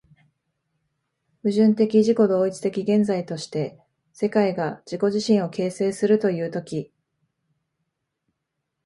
矛盾的自己同一的現在として、世界が自己自身を形成するという時、